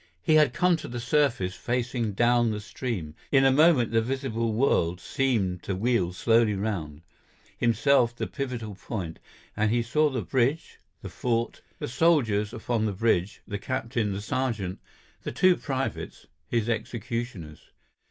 He had come to the surface facing down the stream; in a moment the visible world seemed to wheel slowly round, himself the pivotal point, and he saw the bridge, the fort, the soldiers upon the bridge, the captain, the sergeant, the two privates, his executioners.